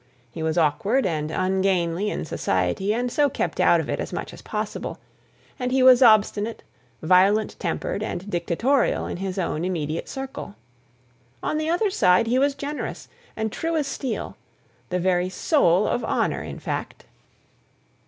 He was awkward and ungainly in society, and so kept out of it as much as possible; and he was obstinate, violent tempered, and dictatorial in his own immediate circle. On the other side, he was generous, and true as steel; the very soul of honour, in fact.